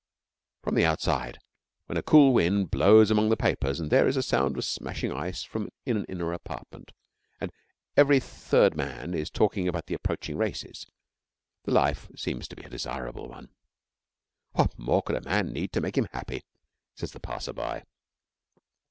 From the outside, when a cool wind blows among the papers and there is a sound of smashing ice in an inner apartment, and every third man is talking about the approaching races, the life seems to be a desirable one. 'What more could a man need to make him happy?' says the passer by.